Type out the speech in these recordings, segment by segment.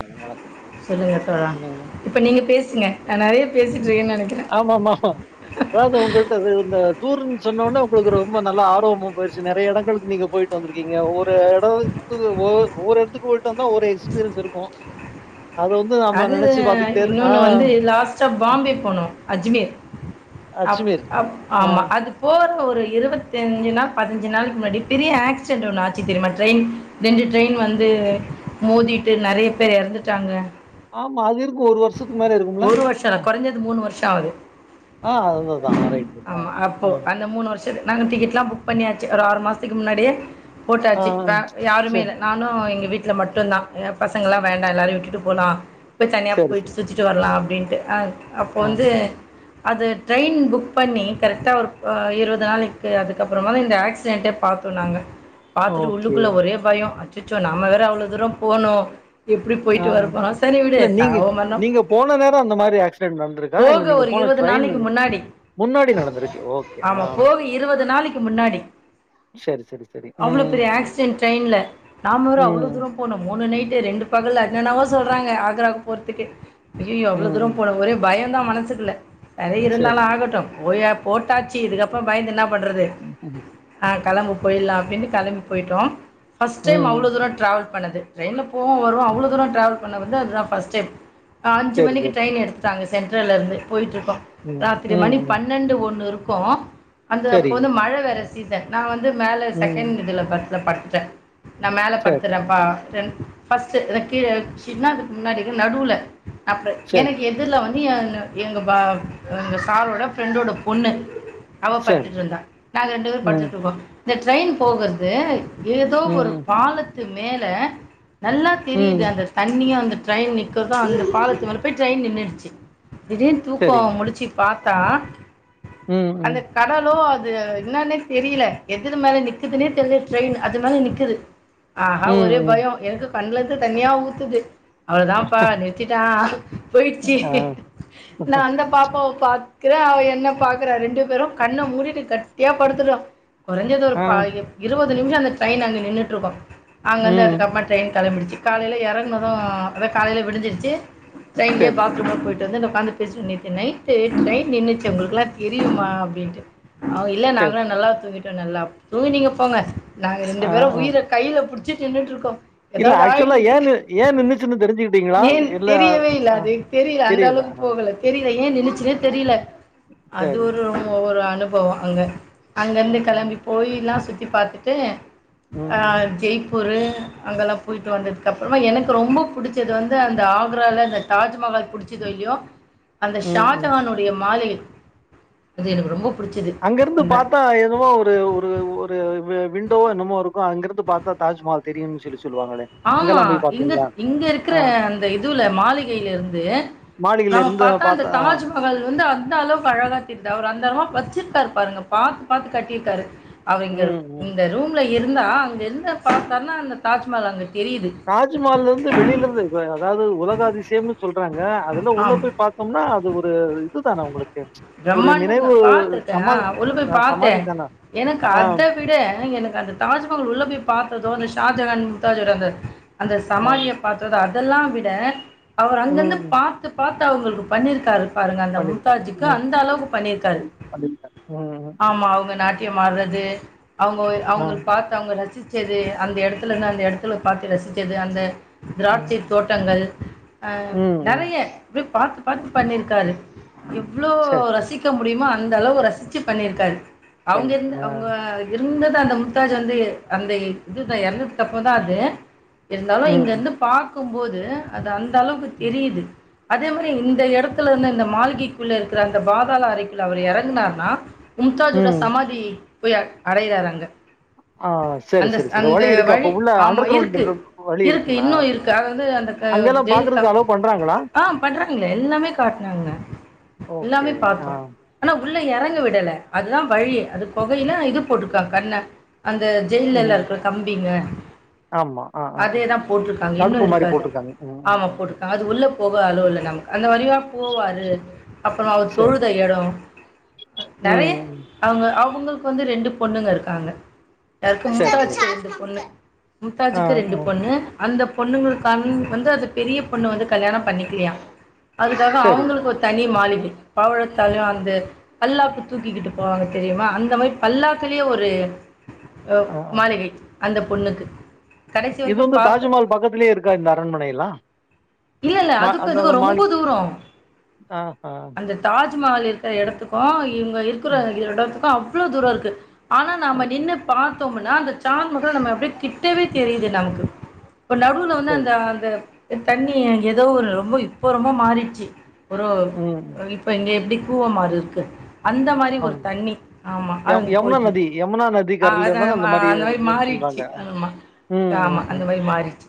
Madam வணக்கம் சொல்லுங்க தோழா ம் இப்ப நீங்க பேசுங்க நா நெறைய பேசி ஆம்மாம்மா அதாவது உங்கள்ட இது இந்த தூருன் சொன்னோட்னே உங்குளுக்கு ரொம்ப நல்லா ஆர்வமா போயிடுச்சு நெறைய எடங்களுக்கு நீங்க போயிட்டு வந்திருக்கீங்க ஒவ்வொரு எடோ துது ஓர் ஒவ்வொரு எடத்துக்கு போய்ட்டு வந்தா ஒரு எக்ஸ்பீரியன்ஸ் இருக்கு அது இரு ஆ இன்னொன்னு வந்து லாஸ்டா பாம்பே போனோ அஜ்மீர் அப் அஜ்மீர் அப் ஆ ஆமா அது போற ஒர் ஒரு இருவத்தைஞ்சு நாள் பதனஞ்சு நாளைக்கு முன்னாடி பெரிய ஆக்சிடென்ட் ஒன்னு ஆச்சு தெரிமா ட்ரெயின் ரெண்டு ட்ரெயின் வந்து வந்து மோதிட்டு நெறைய பேர் எறந்துட்டாங்க ஆமா அது இருக்கு ஒரு வருஷத்துக் மேல இருக்கும்ல அ தாவறு ரைட் ரைட் ஆ ஆமா அப்போ ஆ அந்த மூணு வருஷ் டுது நாங்க டிக்கெட்ல்லா புக் பண்ணியாச்சு ஒரு ஆறு மாஸ்த்துக்கு முன்னாடியே ஆ போட்டாச்சு வே யாருமே சரி இல்ல நானு எங்க வீட் வீட்ல மட்டுதா எ பசங்கெல்லா வேண்டா எல்லாரயு விட்டுட்டு போலா போய் தனியா சரி போயிட் சரி சுரிச்சிட்டு வரலா அப் அப்டின்ட்டு அ அப்போ ஆ வந்து அது ட்ரெயின் புக் பண்ணி கரெக்டா ஒரு அ இருவத் நாளைக்கு அதுக்கப்புறமா தா இந்த ஆக்சிடென்டே பா பாத்தோ நாங்க பாத்துட்டு ஓகே. உள்ளுக்குள்ள ஒரே பயோ அச்சச்சோ நம்ம வேற அவ்ளோ தூரோ போனு எப்டி ஆ போயிட்டு வர ஆ போறா சேரி விடு இல்ல நீங்க அவ வந் நீங்க போன நேரோ அந்த மாரி ஆக்சிடென்ட் நடந்திருக்கா இல்ல போக நீங்க ஒரு போன ட்ரெயின் நாளைக்கு இது முன்னாடி ஆமா போக இருவது நாளைக்கி முன்னாடி சரி, சரி, சரி. அவ்ளோவ் ம், பெரிய ஆக்சிடென்ட் ட்ரெயின்ல நாம வேற அவ்ளோவ் ம், தூரோ போனு மோ மூணு நைட்டு ரெண்டு பகல்ல என்னன்னமோ சொல்றாங்க ஆக்ராவுக்கு போறதுக்கு அய்யயோ ம், அவ்ளோவ் தூரோ ம். போரோ ஒரே பயோ ந்தா மனசுக்குல்ல நெறைய சரி. இருந்தாலு ஆகட்டு போய போட்டாச்சு இதுக்கப்புறோ பயந்து என்னாப் பண்றது ம், ம், ஆ கெளம்பு போயிட்லா அப்டின்டு கெளம்பி போயிட்டோ ஃபர்ஸ்ட் டைம் ம். அவ்ளோ தூரோ ட்ராவல் பண்ணது ட்ரெயின்ல போவோ வருவோ அவ்ளோ தூரோ ட்ராவல் பண்ண வந்து அது தா ஃர்ஸ்ட் டைம் அ அஞ்சு சரி, மணிக்கு சரி. ட்ரெயின் எடுத் தாங்க சென்ட்ரல்ல இருந்து போய்ட்ருக்கோ ம், ராத்திரி ம், மணி ம். பண்ணென்டு ஒண்ணுருக்கு அந்த அப்ப சரி. வந்து மழ வேற சீசன் நா வந்து மேல ம். செகண்ட் இதுல பர்த்ல படுத்துட்ட நா மேல சரி, பட்துறப்பா ரென் ஃபஸ்ட் ரக் கீழ வச்சினா அதுக் முன்னாடி நடுவுல அப்ப சரி, எனக்கு எதிர்ல வந் நியான எங்க பா எங்க சாரோட ஃப்ரெண்டோட பொண்ணு அவ சரி. படுத்துட்ருந்தா நாங்க ரெண்டு பேரு ம், படுத்துட்ருந்தோ இந்த ட்ரெயின் போகற்து ஏதோ ஒரு ம், பாலத்து மேல நல்லா ம். தெரியுது அந்த தண்ணியு அந்த ட்ரெயின் நிக்கற்தோ அந்த பாலத்து மேல போய் ட்ரெயின் நின்னுடுச்சி திடீர்ன் தூக்கோ சரி. முழுச்சி பாத்தா ம், அந்த ம், கடலோ அது து இன்னானே தெரியில எதுல மேல நிக்குதுனே தெரில ட்ரெயின் அது மேல நிக்குது ஆஹா ஒரே ம், ம். பயோ என்க்கு கண்லந்து தண்ணியா ஊத்துது அவ்ளோதாம்பா நிற் சிட்டா போய்ட்ச்சி ஆ, நா அந்த பாப்பாவ பாத் க்கிறே அவ என்ன பாக்குற ரெண்டு பேரு கண்ண மூடிட்டு கட்டியா படுத்துட்டோ கொறஞ்சது ஒரு ஆ, பா எப் இருவது நிமிஷ அந்த ட்ரெயின் அங்க நின்னுட்ருக்கு அங்கந்து ம். அதுக்கப்மா ட்ரெயின் கெளம்பிடுச்சி காலையில எறங்னது அதா காலையில விடிஞ்சிருச்சி ட்ரெயின்லியே சரி, பாத்ரூமு போய்ட் இப்ப வந்து அந்த உக்காந்துட் பேஸ்ட்டு நேத்து நைட்டு ட்ரெய்ன் நின்னுச்சி உங்குளுக்ல்லா தெரியுமா அப்டின்ட்டு அவ இல்ல சரி. நாங்களா நல்லா தூங்கிட்டோ நல்லா தூங்குனீங்க போங்க நாங்க ஆ, ரெண்டு பேரு ஆ. உயிர கைல புடிச் சிட் நின்னுட்ருக்கோ இல்ல ஆக்சுலா ஏன்னு ஏ நின்னுச்சின்னு தெரிஞ்சு கிட்டீங்ளா ஏன் தெரியவே இல்ல அது தெரியில அந்த தெரியல. அளவுக்கு ஆ போகல தெரிய ஏ நின்னுச்சினே தெரியில அது சரி. ஒரு ஒரு அனுபவோ அங்க ஆ, அங்கருந்து கெளம்பி ம், போயில்லா சுத்தி பாத்துட்டு அ ம், ஜெய்ப்பூரு அங்கல்லா போயிட்டு வந்ததுக் அப்றமா எனக்கு ரொம்ப புடிச்சது வந் து அந்த ஆக்ரால இந்த தாஜ்மஹால் புடிச்சதோ இல்யோ அந்த ம், ம். ஷாஜஹானுடைய மாளிகை அது எனக்கு ரொம்ப புடிச்சது அங்கருந்து அந்த பாத்தா எதுவோ ஒரு ஒரு ஒரு வே விண்டோ என்னமோ இருக்கு அங்கருந்து பாத்தா தாஜ்மஹால் தெரியுன் சொல்லி சொல்லுவாங்களே! ஆமா அங்கெல்லாம் போய் பாத்தீங்களா? இங்கத் இங்க இருக்குற ஆ அந்த இதுல மாளிகைல இருந்து நம்ம மாளிகையிலருந்து பாத்தா அந்த ஆ தாஜ்மஹால் வந்து அந்த அளவுக்கு அழகா தெரிது அவர் அந்த அள வச்சிர்காரு பாருங்க பாத்து பாத்து கட்டிருக்காரு அவிங்கள் ம், ம். இந்த ரூம்ல இருந்தா அங்க என்ன பாத்தார்னா அந்த தாஜ்மஹால் அங்க தெரியுது. தாஜ்மஹாலருந்து வெளியிலந்து அதாவது உலக அதிசயம்னு சொல்றாங் க அதுல உள்ள ஆம். போய் பாத்தம்னா அது ஒரு இது தான உங்களுக்கு ஒரு பிரம்மாண்டம் நினைவு தான் சமா பார்த்துருக்கேன் உள்ள போய் அ சமாதி பார்த்தேன் தான எனக்கு ஆ, அத விட எனக்கு அந்த தாஜ்மஹால் உள்ள போய் பாக்க தோனிச் ஷாஜகான் முக்தாஜ விட அந்த அந்த ஆ. சமாதிய பாத்தது அதெல்லா விட அவர் ம். அங்கருந்து ம். பாத்து பாத்து அவுங்களுக்கு பண்ணிர்க்காரு பாருங்க அந்த மு பண்ணியிருக்காங்க. ம்தாஜுக்கு ம். அந்த அளவுக்கு பண்ணிர்காரு பண்ணியிருக்காங்க. ம், ம். ஆமா அவுங்க நாட்டியம் ஆட்றது அவுங்க வே ஆ. அவுங்கள் பாத்து அவுங்க ரசிச்சது அந்த எடத்துலந்து அந்த எடத்துல பாத்து ரசிச்சது அந்த ம். திராட்சை தோட்டங்கள் அ ம், ம். நெறைய அப்டியே பாத்து பாத்து பண்ணிர்காரு எவ்ளோ சரி, சரி. ரசிக்க முடியுமோ அந்த அளவு ரசிச்சி பண்ணிருக்காரு அவுங்க எந்த பண்ணியிருக்காங்க. ஆ. அவுங்க இரு ந்தது அந்த மும்தாஜ் வந்து அந்த இதுதா எறந்ததுக் அப்ற தா அது இருந்தாலு ம், ம். இங்கருந்து பாக்குபோது அது அந்த அளவுக்கு ம். தெரியிது அதே மாரி இந்த எடத்துலருந்து அந்த மாளிகைக்குள்ள இருக்கிற அந்த பாதாள அறைக்குள்ள அவரு எறங்குனார்னா மும்தாஜோட ம். சமாதி போய் அ அடயிறாரங்க ஆ சரி, அந்த சரி, ஸ் சரி. அந்த இருக்கு. அப்ப வழி உள்ள ஆமா அண்டர் கிரவுண்ட் இருக்கு வழி இருக்கு இருக்குங்களா? இன்னோ இருக்கு அது வந்து அந்த அ க அங்கெல்லாம் ஜெயில் கா பார்க்கறதுக்கு அலோ பண்றாங்களா? ஆ பண்றாங்ளே எல்லாமே காட்னாங்க ஓகே. எல்லாமே ஆ. பாத்தோ ஆனா உள்ள எறங்க விடல அதுதா வழி அது கொகையில இது போட்ருக்றாங் கண்ண அந்த ஜெயில்ல எல்லா ம். இருக்கிற கம்பிங்க ஆமா ஆ, ஆ, ஆ. அதேதா போட்ருக்காங்க இன்னு தடுப்பு மாரி இருக்கு அது போட்டுருக்காங்க. ம், ம், ஆமா ம், ம். போட்ருக்காங்க அது உள்ள போக அளுவல்ல நமக்கு அந்த வழியா போவாரு அப்புற அவர் சரி. தொழுத எட ம், நெறைய ம். அவுங்க அவ் அவங்களுக்கு வந்து ரெண்டு பொண்ணுங்க இருக்காங்க யாருக்கு மூட்ட சரி, வச்சு சரி. ரெண்டு பொண்ணு ஆ, மும்தாஜுக்கு ரெண்டு ம். பொண்ணு அந்த பொண்ணுங்களுக்கான வந்து அது பெரிய பொண்ணு வந்து கல்யாணம் பண்ணிக்கிலியா அதுக்காக சரி. அவுங்களுக்கு மாளிகை பவழத்தாலு அந்த பல்லாக்கு தூக்கிக்கிட்டு போவாங்க தெரியுமா அந்த மாரி பல்லாக்குலே ஒரே ஒரு அ ஆ, ஆ. மாளிகை அந்த பொண்ணுக்கு கடைசி இது வரைக்கும் வந்து பார்த்து தாஜ்மஹால் பக்கத்திலேயே இருக்கா இந்த அரண்மனைலா இல்ல இல்ல அதுக்கு இதுக்கு ரொம்ப தூரோ ஆஹா. அந்த தா தாஜ்மஹால் இருக்கிற எடத்துக்கு இவுங்க இருக்குற ம். எடத்துக்கு அவ்ளோ தூரோ இருக்கு ஆனா ஓ நாம நின்னு பாத்தோம்னா அந்த தாஜ்மகாள் நம்ம அப்டியே கிட்டவே தெரியுது நமக்கு இப்ப நடுல வந்து சரி. அந்த அந்த தண்ணி ஏதோ ரொம்ப இப்போ ரொம்ப மாறிச்சு ஒரு ம். இப்ப இங்கே எப்டி கூவம் ஆறு இருக்கு அந்த மாரி ஒரு ஆமா. தண்ணி ஆமா யம் அதுங்க யமுனா போயிட்ருக்கு நதி யமுனா நதி அ கரையில அந்த தான மாரி இருக்குன்னு மாறிட்டு சொல்றாங்க. ஆமா ம், ஆமா ம், அந்த ம். மாரி மாறிச்சு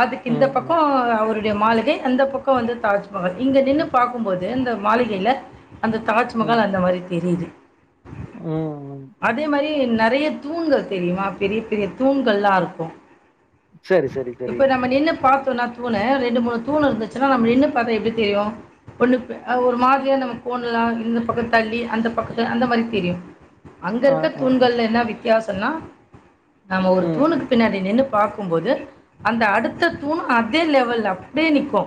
அதுக்கு இந்த ம், பக்கோ ம். அவரு டைய மாளிகை அந்த பக்கோ வந்து தாஜ்மஹால் இங்க நின்னு பாக்கும் போது இந்த மாளிகையில அந்த ம். தாஜ்மஹால் அந்த மாரி தெரியுது ம், ம். அதே மாரி நெ நெறைய தூண்கள் தெரியுமா பெரிய பெரிய தூண்கள்லா இருக்கு சரி சரி சரி இப்ப நம்ம நின்னு பாத்தோனா தூணு ரெ ரெண்டு மூணு தூணு இருந்துச்சுன்னா நம்ம நின்னு பாத்தா எப்டி தெரியு ஒண்ணு ஒரு மாதிரியா நம்ம போண்லா இந்த பக்க தள்ளி அந்த பக்கத்து அந்த மாரி தெரியு அங்க ஆ இருக்க ஆ தூண்கள்ல என்ன வித்தியாசன்னா நாம ஒரு ம் தூணுக்கு ம் பின்னாடி நின்னுப் பாக்கும்போது அந்த அடுத்த தூணு அதே லெவல்ல அப்டியே நிக்கு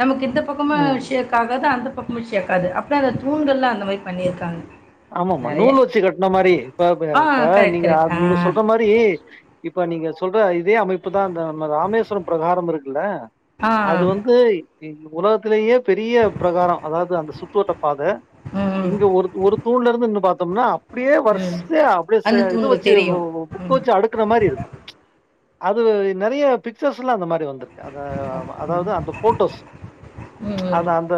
நமக்கு இந்த பக்கமு ம் ஷேக் ஆகாது அந்த பக்கமு ஷேக்காது அப்பனா அந்த தூண்கள்லா அந்த மாரி பண்ணிருக்காங்க ஆமாமா நூல் வச்சு கட்ன மாரி இப்ப ப ஆ இப்ப கரெக்ட், நீங்க அ கரெக்ட். ஆ, நீங்க சொல்ற மாரி இப்ப நீங்க சொல்ற இதே அமைப்புதா அந்த ராமேஸ்வரம் ப்ரகாரம் இருக்குல்ல ஆ. அது வந்து ஒலகத்துலயே பெரிய ப்ரகாரம் அதாவது அந்த சுத்தோட்ட பாத ம். இங்க ஒரு ஒரு ன்னு பாத்தோம்னா அப்டியே ம் வருசையா அப்டியே சே அந்த இது தூண்கள் வச்சு உ தெரியும். உ புக் ம் வச்சு அடுக்குன மாரி இருக்கு அது நெறைய பிக்சர்ஸ்லா அந்த மாரி வந்துர்க்கு அத அதாவது அந்த ஃபோட்டோஸ் ம் ம். அது அந்த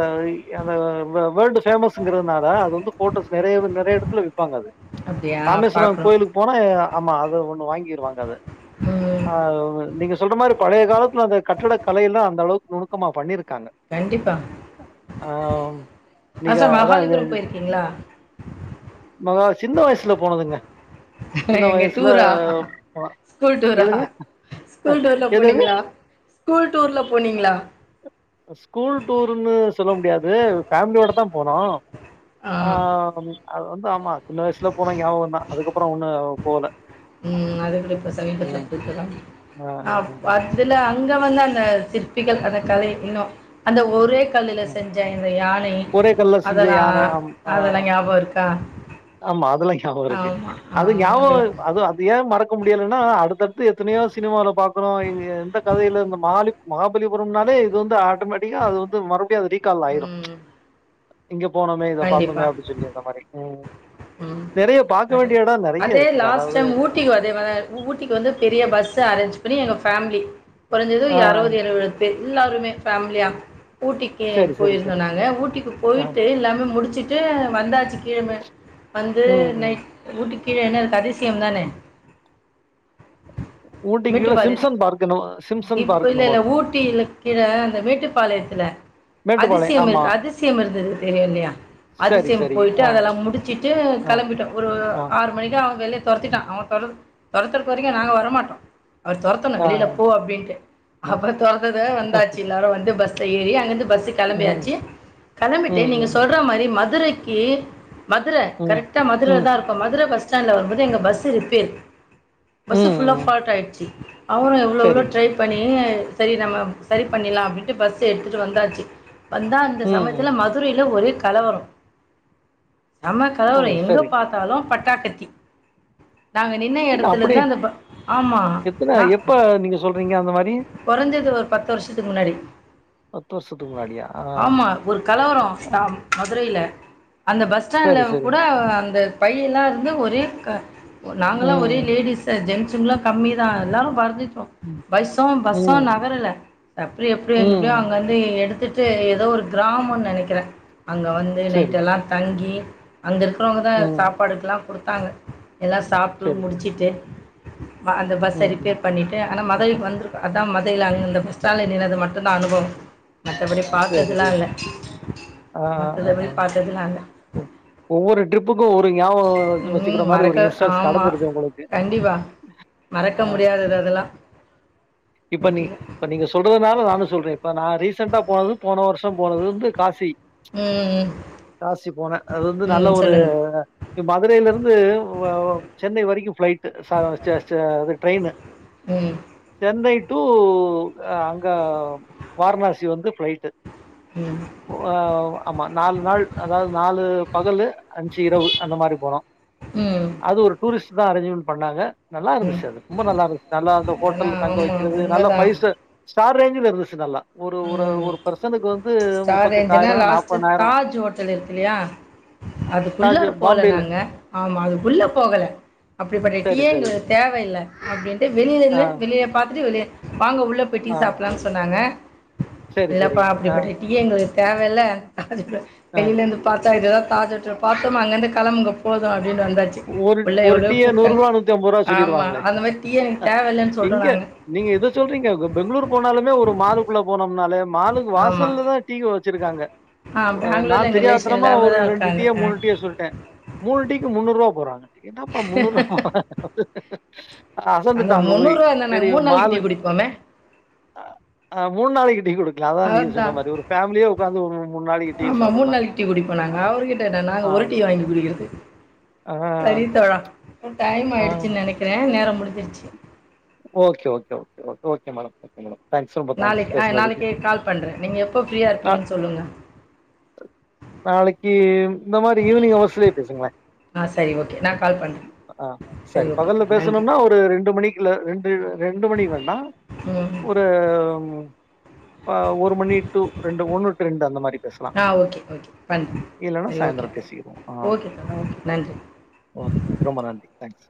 அந்த வேல்டு ஃபேமஸ்ங்கிறதுனால அது வந்து நெறைய நெறைய எடத்துல விப்பாங்க அது அப்டியா இராமேஸ்வரம் பாக்கணும். கோயிலுக்கு போனா ஆமா அது ஒண்ணு வாங் வாங்கிருவாங்க ம் அ நீங்க சொல்ற மாரி பழைய காலத்ல அந்த கட்டட கலை எல்லா அந்த அளவுக்கு நுணுக்கமா பண்ணிருக் க்காங்க கண்டிப்பா. அ நீங்க ஆச்சா அதா இது மகாலிபுரம் அது போயிருக்கீங்களா? சின்ன வயசுல போனதுங்க சின்ன எங்க வயசுல டூரா அ ஸ்கூல் டூரா எதுங்க? ஸ்கூல் டூர்லா எது எது? போனிங்ளா ஸ்கூல் டூர்ல போனிங்ளா ஸ்கூல் டூர்ன்னு சொல்ல முடியாது ஃபேமிலியோடதா போனோ ஆ அது வந்து ஆமா சின்ன வயசுல போனா ஞாபகம்தா அதுக்கப்ற ஒண்ணு போல ம் ம் அது எப்டி இப்ப சமீபத்ல போயிருப்ப இல்ல ஆ. அ ம். ம். அதுல அங்க வந்து அந்த சிற்பிகள் அந்த கலை இன்னு அந்த ஒரே கல்லுல ம். செஞ்ச இந்த யானை ஒரே கல்ல செஞ்ச அதெல்லா யானை ஆம் ஆ அதெல்லா ஞாபோ இருக்கா ஆமா அதெல்லா ஞாபோ இருக்கு ஆமா. ஆ அது ஞாபோ அதெல்லாம். அது அது ஏன் மறக்க முடியலைன்னா அடுத்தடு எத்தனையோ சினிமாவ்ல பாக்கறோ எந்த கதைல இந்த மாலி மகாபலிபுரம்னாலே இது வந்து ஆட்டோமேட்டிக்கா அது வந்து மறுபடியு அது ரீகால் ஆயிரு ம். இங்க போனோமே இத பாத்தோமே கண்டிப்பா. அப்டி சொல்லி அந்த மாரி ம் ம் நெறைய பாக்க அது வேண்டிய இடம் நெறைய அதே இருக்குங்க. லாஸ்ட் அதாவது டைம் ஊட்டிக்கி அதே மார் ஊ ஊட்டிக்கி வந்து பெரிய பஸ் அரேஞ் எங்க ஃபோம்லி குறைஞ்சது ஆ அறுபது எழுவத்பேர் எல்லாருமே ஃபோமிலியா ஊட்டிக்கி சரி, சரி, சரி. போயிருந்தோனாங்க ஊட்டிக்கு ஆ. போயிட்டு எல்லாமே முடிச்சுட்டு வந்தாச்சு கீழம வந்து ம், ம். நைட் ஊட்டி கீழே என்னருக்கு அதிசயோ தானே ஊட்டிக்கு கீழ மேட்டுப்பாளையத் சிம்சன் பார்க் என்னமோ சிம்சன் இப்ப பார்க் என்னமோ இல்லெல்ல இருக்கு. ஊட்டில கீழ அந்த மேட்டுப்பாளையத்துல மேட்டுப்பாளையம் ஆமா. அதிசயமிருக்கா அதிசயம் இருந்தது தெரியு இல்லையா சரி, அதிசயோ சரி. போய்ட்டு ஆ, அதெல்லா முடிச்சு ட்டு ஆ, கெளம்பிட்டோ ஒரு ஆ, ஆறு மணிக்கா அவுங்க வெளியே தொரத்திட்டா அவுங்க தொரத் தொரத்துற தொரைக்கா நாங்க வர மாட்டோ அவர் தொரத்தன ஆ, வெளில போ அப்டின்ட்டு ஆ. அப்றோ தொரத்தத வந்தாச்சு எல்லாரு வந்து பஸ்ல ஏறி அங்கெந்து பஸ்ஸு ம், கெளம்பியாச்சு கெளம்பிட்டு ம், நீங்க ம். சொல்ற மாரி மதுரைக்கி மதுர ம். கரெக்டா மதுரைல ம். தா இருக்கோ மதுர பஸ்டாண்ட்ல வரும்போது எங்க பஸ்ஸு ரிப்பேரு ம். பஸ்ஸு ஃபுல்லா ம். ஃபால்ட்டாய்டுச்சு அவரு எவ்ளோ எவ்ளோ சரி. ட்ரை பண்ணி சேரி நம்ம செரி பண்ணிலா அப்டின்ட்டு பஸ் எடுத்துட்டு வந்தாச்சு வந்தா அந்த ம். சமயத்துல ம். மதுரையில ஒரே கலவரோ செம்ம ஓ! கலவரோ எங்க சரி. பாத்தாலு பட்டாக்கத்தி நாங்க நின்ன இல்ல அப்படி எடத்துலந்து அந்த ப ஆமா எத்தன நா எப்ப நீங்க சொல்றீங்க அந்த மாரி? கொறஞ்சது ஒரு பத்து வருஷத்துக்கு முன்னாடி வருஷத்துக்கு முன்னாடியா? ஆ. ஆமா ஒரு கலவரோ அ ம். மதுரையில அந்த பஸ்டாண்ட்ல சரி, சரி. கூட அந்த பையெல்லா இருந்து ஒரே க நாங்கெல்லா ஒரே ம். லேடீஸீ ஜென்ஸுங்லா கம்மி தா எல்லாரு படந்து ம். பஸ்ஸு பஸ்ஸு ம். நகரல அப்டி எப்டி எங்க எப்டியோ ம். அங்கருந்து எ எடுத்துட் ட்டு ஏதோ ஒரு கிராமோனு நெனைக்கிறே அங்க வந்து சரி. நைட்டெல்லா தங்கி அங்க இருக்கறவங்க தா ம். சாப்பாடுக்லா குடுத்தாங்க எல்லா சாப்ட்டு சரி, சரி. முடிச்சுட்டு அந்த பஸ்ஸ ம். ம். ரிப்பேர் பண்ணிட்டு ஆனா மதுரைக்கு வந்துருக்க அதா ம இல்லையில்ல அந்தந்த பஸ்டாண்ட்ல நின்னது மட்டுதா அனுபவோ மத்தபடி சரி, பாத்ததெல்லா சரி. இல்ல மத்ததுல போய் பாத்ததெல்லா இல்ல ஓ ஒவ்வொரு ட்ரிப்புக்கு ஒரு ஞாபகோ ம் வச்சுக்கற மாரி மறக்க ஒரு இன்ஸ்டன்ஸ் ஆமாம் நடந்துருக்கு உங்களுக்கு ஆ ஹா கண்டிப்பாக மறக்க முடியாதது அதெல்லா இப்ப நீ இப்ப நீங்க சொல்றதுனால நானு சொல்றே இப்ப நா ரீ சென்டா போனது போன வருஷோ போனது வந்து காசி ம் காசி போனே அது வந்து நல்ல ம் ஒரு சொல்லுங்கள் அ மதுரைலருந்து ஓ சென்னை வ ரைக்கு ஃப்ளைட்டு சா ச ச அ ட்ரைனு ம் சென்னை டூ அங்க வாரணாசி வந்து ஃப்ளைட்டு ம் ஓ ஆ ஆமா நாலு நாள் அதாவது நாலு பகலு அஞ்சு இரவு அந்த மாரி போனோ ம் அது ஒரு டூரிஸ்ட் தா அரேஞ்ச்மெண்ட் பண்ணாங்க ம் நல்லாருந்துச்சு அது ரொம்ப நல்லாருந்துச்சு கால்ல அந்த அதெல்லாம் ஹோட்டல்ல தங்க ஆமாம் வைக்கிறது நல்லா உண்மைதான் ஃபைவ் ஸ்டார் ஸ்டார் ரேஞ்சுல இருந்துச்சு நல்லா ஒரு ஒரு ம் ஒரு பெர்சனுக்கு வந்து ஸ்டார் ரேஞ்ச்ன்னா லாஸ்ட் தாஜ் ஹோட்டல் இருக்கில்லையா தாஜ் அதுக்குள்ளாற போல பாம்பேல. நாங்க ஆமா அதுக்குள்ள போகல அப்டிப்பட்ட சரி, டீயே சரி. எங்களுக்கு தேவயில்ல அப்டின்ட்டு வெளில இல்ல ஆ, வெளிய பாத்துட்டு வெளிய வாங்க உள்ளே போய் டீ ஆ. சாப்பல்லான்னு சொன்னாங்க சரி, சரி. இல்லப்பா ஆ, அப்படிப்பட்ட டீயே எங்களுக் தேவல்ல ஆ. வெளிலருந்து பாத்தா இதுதா தாஜ் ஹோட்டல் பாத்தோமா அங்கெருந்து கெளம்புங்க போது அப்டின்னு வந்தாச்சு ஒரு உள்ள ஒரு எவ்ளோவோ டீய ரூ. கூப்ட்டாங்க ஆமா அந்த மாரி டீயே எனக்கு தேவல்ல சொல் எங்க நீங்க இத சொல்றீங்க பெங்ளூர் போனாலுமே ஒரு மாலுக்குள்ள போனோம்னாலே மாலுக்கு ஆமாம் வாசல்ல தா டீ வச்சிருக்காங்க ஆ ஒ அ நா பெங்களூரில் எங்கள் ரிலேஷன் தெரியாத்தனமா இல்லாமல் ஒரு தான் ரெண்டு இருக்காங்க டீயே ஆ மூணு டீயே சொல்லிட்டே மூணு டீ போறாங்க டிக்கெட் என்னாப்பா முண்ணூறுவா அந்த அசந்துட்டா அங்க போய் முந்நூறுரூவா இருந்தால் சேரி நாங்கள் மூணு நாளைக்கு டீ மாலு குடிப்போமே அ மூணு நாளைக்கு டீ குடி க்கல அதா நீங்க சொன்ன அதுதான் மாரி ஒரு ஃபேமிலியே ஒக்காந்து ஒரு மூண் நாளைக்கு டீ ஆமாம் மூணு சாப்டலா நாளைக்கு டீ குடிப்போம் நாங்கள் அவர்கிட்ட என்ன ஆ நாங்கள் ஒரு டீ வாங்கி குடிக்கிறது ஆ, செரி தோழா டைம் ஆ. ஆய்டுச்சுன்னு நெனைக்கிறே நேரொ முடிஞ்சிருச்சு okay okay okay okay madam okay madam thanks ரொம்ப தேங்க்ஸ் நாளைக்கு ஆ பேசுனதுக்கு. நாளைக்கு கால் பண்றே நீங்க எப்போ ஃப்ரீயா இருப்பீங்கன்னு சொல்லுங்க நாளைக்கி இந்த மாரி ஈவினிங் அவர்ஸ்லயே பேசுங்களே ஆ சரி ஓகே நான் கால் பண்ணுறேன் ஆ சரி ஓகே பகல்ல தோழா நன்றி பேசணும்னா ஒரு ரெண்டு மணிக் இல்ல ரெண்டு ரெண்டு மணி வேண்டா ம் ஒரு அ ஒரு மணி டூ ரெண்டு ஒண்ணு ரெண்டு அந்த மாரி பேசலா ஆ ஓகே ஓகே பண்ணுறேன் இல்லன்னா சரி ஓகே சாய்ந்ரோ தோழா பேசிக்கடுவோ ஆ ஓகே தோழா ஓகே நன்றி ஓகே ரொம்ப நன்றி தங்க்ஸ்